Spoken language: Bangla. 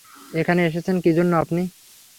এখানে এসেছেন কিজন্য আপনি?